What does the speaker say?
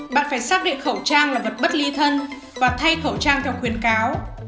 bạn phải xác định khẩu trang là vật bất ly thân và thay khẩu trang theo khuyến cáo